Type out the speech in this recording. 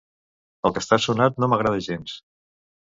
El que està sonant no m'agrada gens.